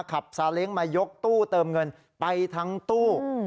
ขับซาลิ้งมายกตู้เติมเงินไปทั้งตู้อืม